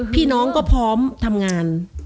พี่น้องก็พร้อมทำงาน